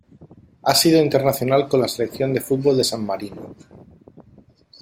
Ha sido internacional con la selección de fútbol de San Marino.